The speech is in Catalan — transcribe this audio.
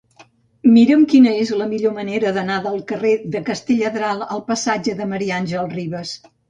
Mira'm quina és la millor manera d'anar del carrer de Castelladral al passatge de Ma. Àngels Rivas.